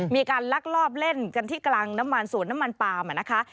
ลักลอบเล่นกันที่กลางน้ำมันสวนน้ำมันปาล์มนะคะ